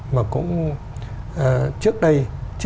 mà cũng trước đây là một khách sạn